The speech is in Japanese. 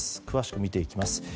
詳しく見ていきます。